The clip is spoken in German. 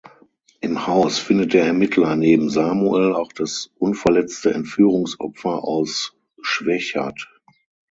Im Haus findet der Ermittler neben Samuel auch das unverletzte Entführungsopfer aus Schwechat.